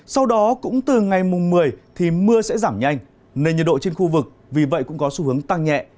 sau đó cũng từ ngày mùng một mươi thì mưa sẽ giảm nhanh nên nhiệt độ trên khu vực vì vậy cũng có xu hướng tăng nhẹ